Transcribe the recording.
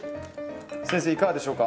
先生いかがでしょうか？